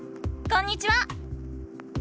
こんにちは！